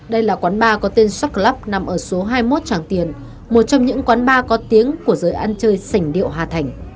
đây là quán bar có tên suk club nằm ở số hai mươi một tràng tiền một trong những quán bar có tiếng của giới ăn chơi sảnh điệu hà thành